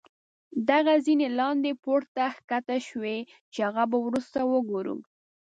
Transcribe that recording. دغه زينې لاندې پوړ ته ښکته شوي چې هغه به وروسته وګورو.